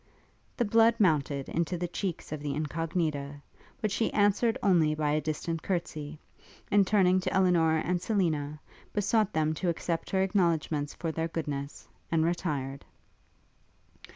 The blood mounted into the cheeks of the Incognita, but she answered only by a distant courtsie, and turning to Elinor and Selina, besought them to accept her acknowledgements for their goodness, and retired.